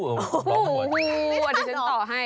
โอ้โหอันนี้ฉันต่อให้